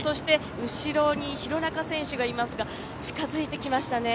後ろに廣中選手がいますが、近づいてきましたね。